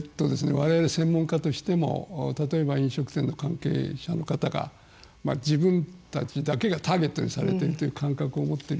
我々専門家としても例えば飲食店の関係者の方が自分たちだけがターゲットにされてるという感覚を持ってる。